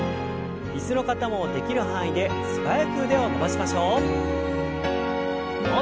椅子の方もできる範囲で素早く腕を伸ばしましょう。